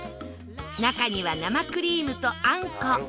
中には生クリームとあんこ